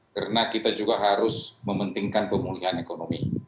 karena kita juga harus mementingkan pemulihan ekonomi